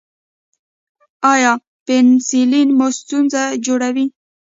ایا پنسلین مو ستونزه جوړوي؟